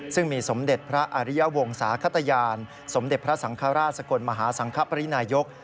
ซึ่งมีสมเด็จพระอริยวงศาขตยานสมเด็จพระสังฆราชสกลมหาสังคปรินายก